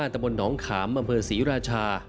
ตะบนหนองขามอำเภอศรีราชา